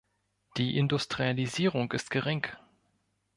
Die Industrialisierung ist gering.